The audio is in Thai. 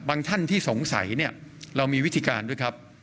ท่านที่สงสัยเนี่ยเรามีวิธีการด้วยครับ